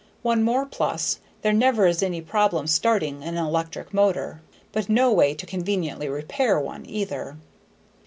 One more plus, there never is any problem starting an electric motor. But no way to conveniently repair one either.